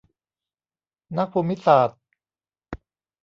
นักภูมิศาสตร์